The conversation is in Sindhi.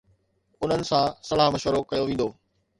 انهن سان صلاح مشورو ڪيو ويندو